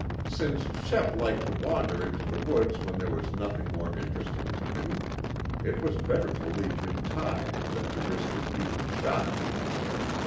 Since Shep liked to wander into the woods when there was nothing more interesting to do, it was better to leave him tied than to risk his being shot.